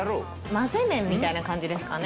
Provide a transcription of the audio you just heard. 混ぜ麺みたいな感じですかね？